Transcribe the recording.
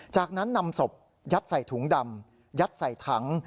จากนั้นนำศพยัดใส่ถุงดำยัดใส่ถัง